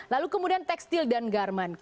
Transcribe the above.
lalu kemudian tekstil dan garmen